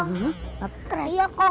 nggak itu dodekom